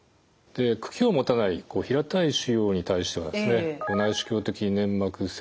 茎を持たない平たい腫瘍に対しては内視鏡的粘膜切除術。